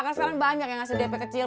karena sekarang banyak yang ngasih dp kecil